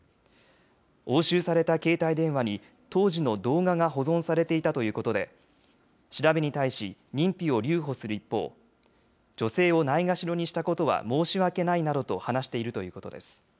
押収された携帯電話に当時の動画が保存されていたということで、調べに対し認否を留保する一方、女性をないがしろにしたことは申し訳ないなどと話しているということです。